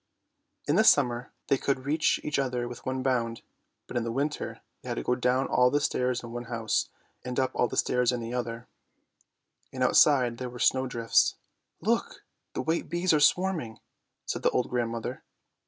In the summer they could reach each other with one bound, but in the winter they had to go down all the stairs in one house and up all the stairs in the other, and outside there were snow drifts. "Look! the white bees are swarming," said the old grandmother.